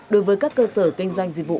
đối với các cơ sở kinh doanh dịch vụ